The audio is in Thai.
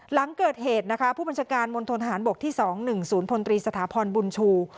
หลังเกิดเหตุนะคะผู้บัญชาการมณฑนทหารบกที่๒๑๐พลตรีสถาพรบุญชู